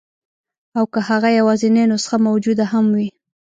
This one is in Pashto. او که هغه یوازنۍ نسخه موجوده هم وي.